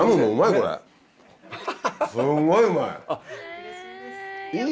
すんごいうまい。